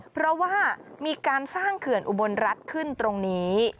เพราะว่ามีการสร้างเขื่อนอุบลรัฐขึ้นตรงนี้